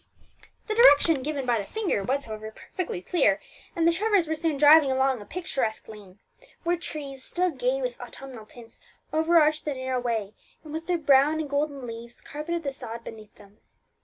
The direction given by the finger was, however, perfectly clear, and the Trevors were soon driving along a picturesque lane, where trees, still gay with autumnal tints, overarched the narrow way, and with their brown and golden leaves carpeted the sod beneath them.